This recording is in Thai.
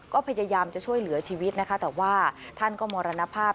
ก็พยายามจะช่วยเหลือชีวิตนะคะแต่ว่าท่านก็มรณภาพ